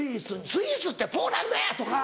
「スイスってポーランドや！」とか。